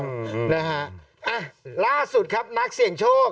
เอ้าล่าสุดครับนักเสียงโชค